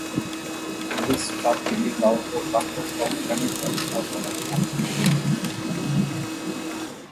This chocolate is also composed of pyramids of hazelnuts and honey.